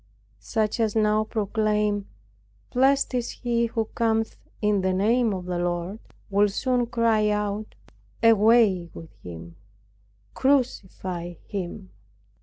Such as now proclaim, 'Blessed is he who cometh in the name of the Lord,' will soon cry out, 'Away with him, crucify him.'"